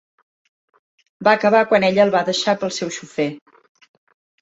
Va acabar quan ella el va deixar pel seu xofer.